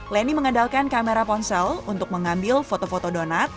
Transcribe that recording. leni mengandalkan kamera ponsel untuk mengambil foto foto donat